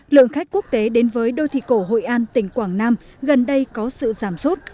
lượng khách quốc tế đến với đô thị cổ hội an tỉnh quảng nam gần đây có sự giảm sút